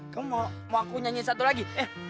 kamu mau aku nyanyiin satu lagi